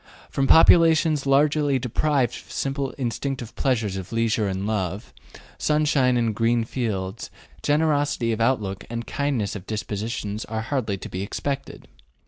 From populations largely deprived of the simple instinctive pleasures of leisure and love, sunshine and green fields, generosity of outlook and kindliness of dispositions are hardly to be expected.